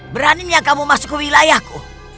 beraninya kamu masuk ke wilayahku